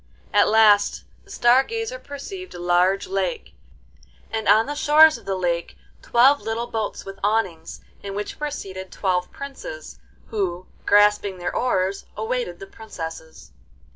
At last the Star Gazer perceived a large lake, and on the shores of the lake twelve little boats with awnings, in which were seated twelve princes, who, grasping their oars, awaited the princesses.